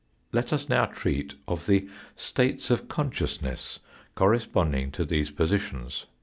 Let us now treat of the states of consciousness corresponding to these positions.